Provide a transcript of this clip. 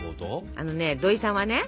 あのね土井さんはね